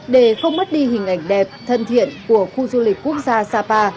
để không mất đi hình ảnh đẹp thân thiện của khu du lịch quốc gia sapa